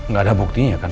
gak ada buktinya kan